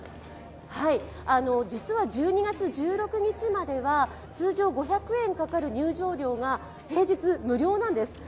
実は１２月１６日までは通常５００円かかる入場料が平日は無料なんです。